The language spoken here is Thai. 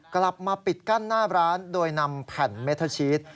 กลับมาปิดกั้นหน้าร้านโดยนำแผ่นเมทเทอร์ชีส